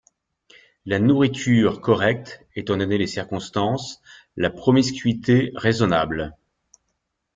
La nourriture correcte étant donné les circonstances, la promiscuité raisonnable.